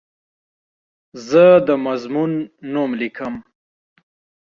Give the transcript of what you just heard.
زه د مضمون نوم لیکم.